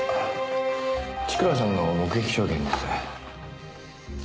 千倉さんの目撃証言です。